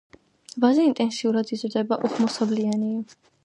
ვაზი ინტენსიურად იზრდება, უხვმოსავლიანია.